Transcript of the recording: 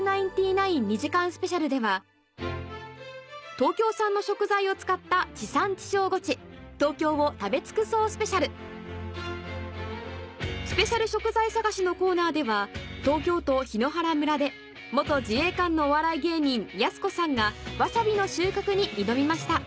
東京産の食材を使った地産地消ゴチ東京を食べ尽くそうＳＰスペシャル食材探しのコーナーでは東京都檜原村で自衛官のお笑い芸人やす子さんがわさびの収穫に挑みました